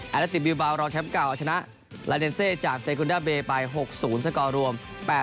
แอลลาตินบิลบาวรองแชมป์เก่าเอาชนะลาเนนเซจากเซคุนด้าเบย์ไป๖๐สกรวม๘๐